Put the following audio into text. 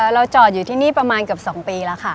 จอดอยู่ที่นี่ประมาณเกือบ๒ปีแล้วค่ะ